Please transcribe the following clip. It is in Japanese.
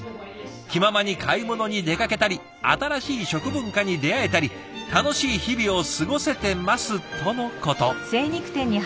気ままに買い物に出かけたり新しい食文化に出会えたり楽しい日々を過ごせてますとのこと。